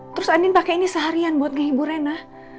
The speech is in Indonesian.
terus andin pakai ini seharian buat ngehibur rena